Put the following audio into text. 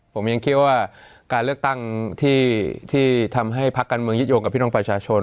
ผมว่าการเลือกตั้งที่ทำให้ภาคกันเมืองยิดโยคกับพี่น้องประชาชน